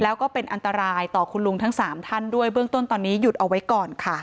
แล้วก็เป็นอันตรายต่อคุณลุงทั้ง๓ท่านด้วยเบื้องต้นตอนนี้หยุดเอาไว้ก่อนค่ะ